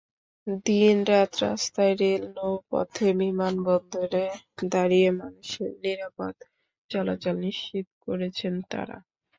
দিনরাত রাস্তায়, রেল, নৌপথে, বিমানবন্দরে দাঁড়িয়ে মানুষের নিরাপদ চলাচল নিশ্চিত করেছে তারা।